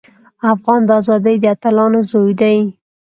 افغان د ازادۍ د اتلانو زوی دی.